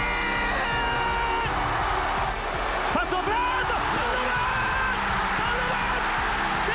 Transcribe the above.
パスをあっと！